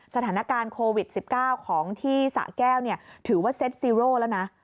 สถานการณ์โควิด๑๙ของที่สะแก้วถือว่าเซ็ตซีโร่แล้วนะ